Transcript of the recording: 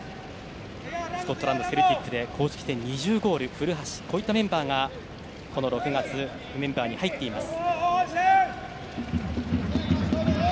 スコットランド、セルティックで公式戦２０ゴール古橋というメンバーがこの６月のメンバーに入っています。